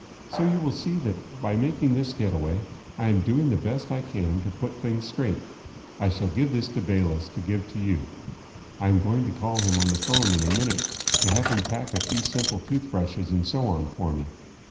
So you will see that by making this getaway I am doing the best I can to put things straight. I shall give this to Bayliss to give to you. I am going to call him up on the phone in a minute to have him pack a few simple tooth brushes and so on for me.